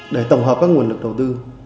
để tổng hợp các nguồn lực đầu tư